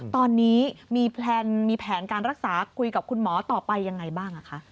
ตอนนี้มีแพลนมีแผนการรักษาคุยกับคุณหมอต่อไปยังไงบ้างคะ